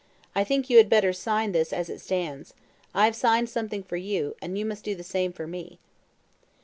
I think you had better sign this as it stands. I have signed something for you, and you must do the same for me."